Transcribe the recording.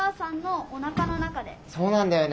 そうなんだよね。